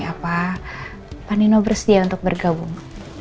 apa pak nino bersedia untuk bergabung